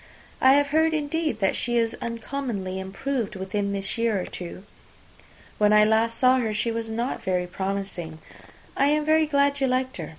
"I have heard, indeed, that she is uncommonly improved within this year or two. When I last saw her, she was not very promising. I am very glad you liked her.